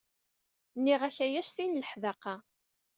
Nniɣ-ak aya s tin n leḥdaqa.